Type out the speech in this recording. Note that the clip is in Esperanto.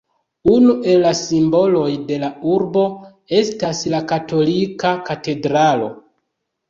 Unu el la simboloj de la urbo estas la katolika katedralo.